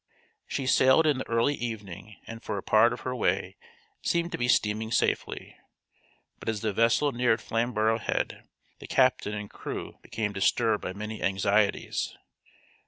She sailed in the early evening and for a part of her way seemed to be steaming safely. But as the vessel neared Flamborough Head the captain and crew became disturbed by many anxieties.